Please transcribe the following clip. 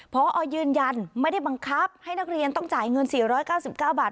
พอยืนยันไม่ได้บังคับให้นักเรียนต้องจ่ายเงินสี่ร้อยเก้าสิบเก้าบาท